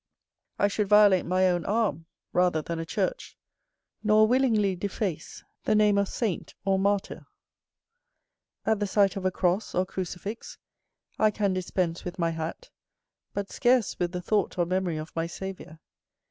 I should violate my own arm rather than a church; nor willingly deface the name of saint or martyr. At the sight of a cross, or crucifix, I can dispense with my hat, but scarce with the thought or memory of my Saviour.